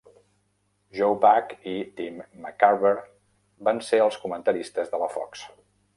Joe Buck i Tim McCarver van ser els comentaristes de la Fox.